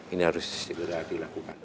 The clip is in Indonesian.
ini harus sudah dilakukan